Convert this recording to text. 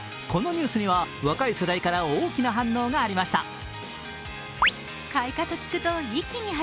このニュースには若い世代から大きな反応がありました。